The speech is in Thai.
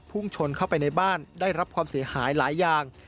พุ่งชนเข้าไปในบ้านได้รับความเสียหายหลายอย่าง